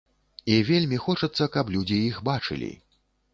І вельмі хочацца, каб людзі іх бачылі.